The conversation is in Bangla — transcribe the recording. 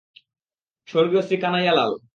স্বর্গীয় শ্রী কানাইয়া লাল।